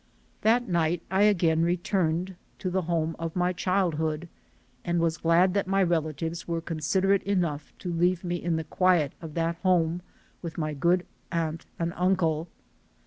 That night I again returned to the home of my childhood and was glad that my relatives were con siderate enough to leave me in the quiet of that home with my good aunt and uncle.